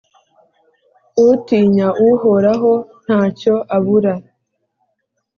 Utinya Uhoraho nta cyo abura,